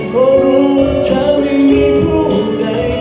เพราะรู้ว่าเธอไม่มีรูปไหน